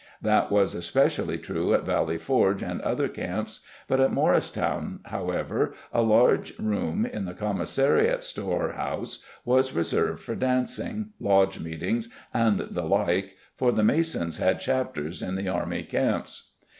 That was especially true at Valley Forge and other camps, but at Morristown, however, a large room in the commissariat store house was reserved for dancing, lodge meetings, and the like for the masons had chapters in the army camps.